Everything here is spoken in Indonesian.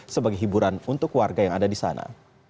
sebagai hiburan untuk warga yang ada di sana